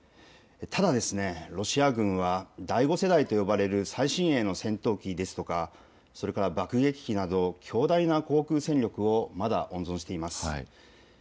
ただロシア軍は第５世代と呼ばれる最新鋭の戦闘機ですとかそれから爆撃機など強大な航空戦力をまだ温存しています。